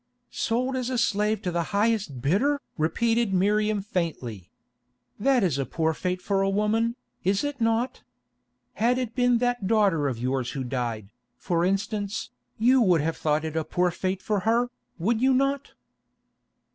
"Sold as a slave to the highest bidder!" repeated Miriam faintly. "That is a poor fate for a woman, is it not? Had it been that daughter of yours who died, for instance, you would have thought it a poor fate for her, would you not?"